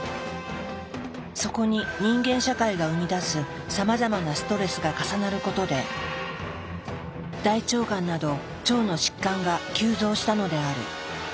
そこに人間社会が生み出すさまざまなストレスが重なることで大腸がんなど腸の疾患が急増したのである。